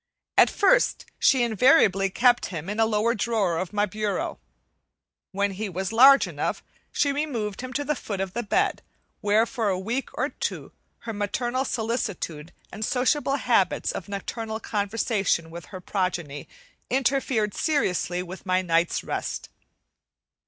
At first she invariably kept him in a lower drawer of my bureau. When he was large enough, she removed him to the foot of the bed, where for a week or two her maternal solicitude and sociable habits of nocturnal conversation with her progeny interfered seriously with my night's rest.